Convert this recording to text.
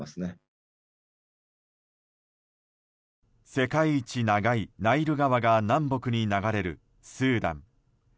世界一長いナイル川が南北に流れるスーダン。